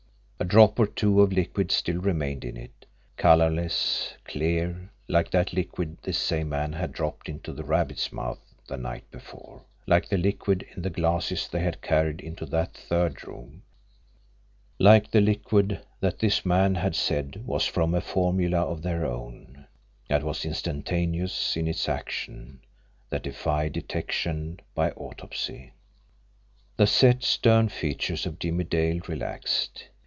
A drop or two of liquid still remained in it colourless, clear, like that liquid this same man had dropped into the rabbit's mouth the night before, like the liquid in the glasses they had carried into that third room, like the liquid that his man had said was from a formula of their own, that was instantaneous in its action, that defied detection by autopsy! The set, stern features of Jimmie Dale relaxed.